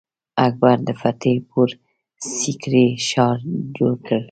اکبر د فتح پور سیکري ښار جوړ کړ.